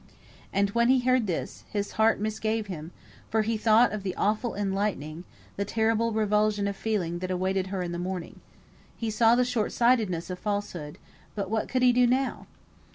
And when he heard this, his heart misgave him; for he thought of the awful enlightening, the terrible revulsion of feeling that awaited her in the morning. He saw the short sightedness of falsehood; but what could he do now?